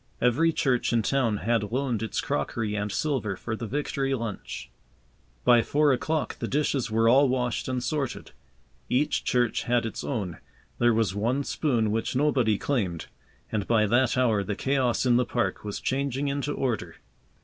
Every church in town had loaned its crockery and silver for the Victory lunch. By four o'clock the dishes were all washed and sorted. Each church had its own. There was one spoon which nobody claimed. And by that hour the chaos in the park was changing into order.